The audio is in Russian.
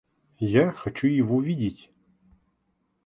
Я хочу его видеть.